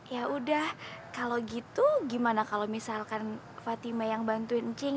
yaudah kalau gitu gimana kalau misalkan fatime yang bantuin cing ya